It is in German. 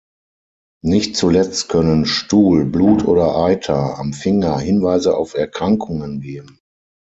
Nicht zuletzt können Stuhl, Blut oder Eiter am Finger Hinweise auf Erkrankungen geben.